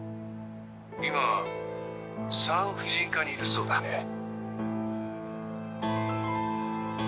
今産婦人科にいるそうだね。